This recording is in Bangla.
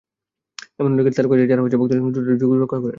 এমন অনেক তারকাই আছেন, যাঁরা ভক্তদের সঙ্গে টুইটারে যোগাযোগ রক্ষা করেন।